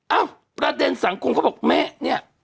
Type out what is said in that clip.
เอ้าประเด็นสังคมเขาบอกแม่เนี่ย